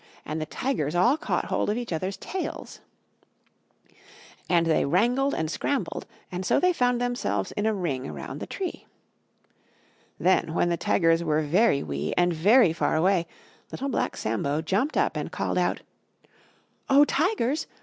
And the Tigers all caught hold of each others' tails. As they wrangled and scrambled, and so they found themselves in a ring around the tree. Then, when the Tigers were very wee and very far away, Little Black Sambo jumped up and called out, "Oh! Tigers!